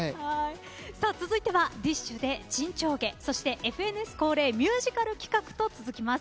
続いてはＤＩＳＨ／／で「沈丁花」そして「ＦＮＳ」恒例ミュージカル企画と続きます。